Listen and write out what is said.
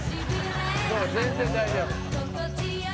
「ほら全然大丈夫」